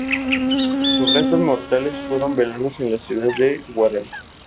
Sus restos mortales fueron velados en la ciudad de Huaral.